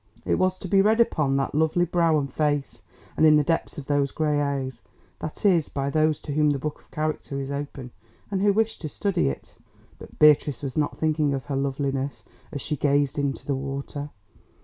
It was to be read upon that lovely brow and face, and in the depths of those grey eyes—that is, by those to whom the book of character is open, and who wish to study it. But Beatrice was not thinking of her loveliness as she gazed into the water.